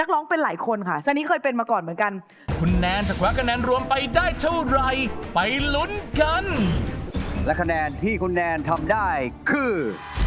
และคะแนนที่คุณแนนทำได้คือ